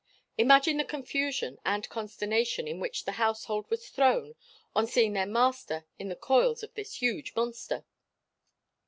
... imagine the confusion and consternation in which the household was thrown on seeing their master in the coils of this huge monster.